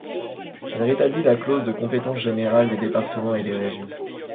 Elle rétablit la clause de compétence générale des départements et des régions.